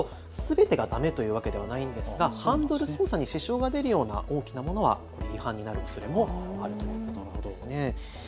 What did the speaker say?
結論を申し上げますとすべてがだめというわけではないんですがハンドル操作に支障が出るような大きなものは違反になるおそれもあるということなんです。